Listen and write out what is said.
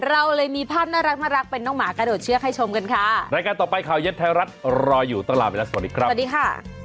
เราเลยมีภาพน่ารักเป็นน้องหมากระโดดเชือกให้ชมกันค่ะรายการต่อไปข่าวเย็นไทยรัฐรออยู่ต้องลาไปแล้วสวัสดีครับสวัสดีค่ะ